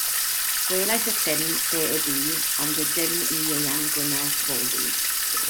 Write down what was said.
Gwelais y llyn lle y bu ond y dim i Ieuan Gwynedd foddi.